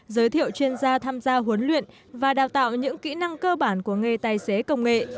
giới thiệu chuyên gia tham gia huấn luyện và đào tạo những kỹ năng cơ bản của nghề tài xế công nghệ